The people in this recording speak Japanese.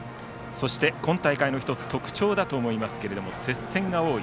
そして、今大会の１つ、特徴だと思いますが接戦が多い。